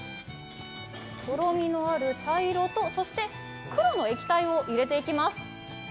とろみのある茶色と黒の液体を入れていきます。